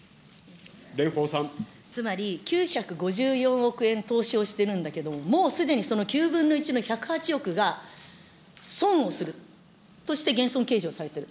つまり９５４億円投資をしているんだけれども、もうすでにその９分の１の１０８億が損をする、として減損計上されてる。